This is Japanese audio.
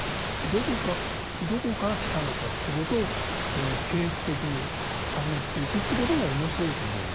どこから来たのかっていう事を系譜的に探っていく事も面白いと思うんです。